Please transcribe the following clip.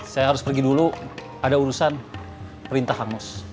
saya harus pergi dulu ada urusan perintah hangus